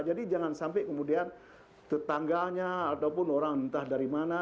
jadi jangan sampai kemudian tetangganya ataupun orang entah dari mana